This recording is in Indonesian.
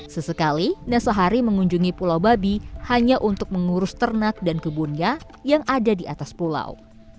sesekali nasahari mengunjungi pulau babi hanya untuk mengurus ternak dan kebunnya yang ada di atas pulau